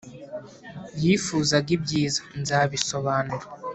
yifuzaga ibyiza nzabisobanura.